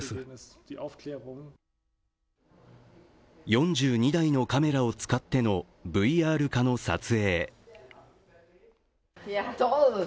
４２台のカメラを使ってのＶＲ化の撮影。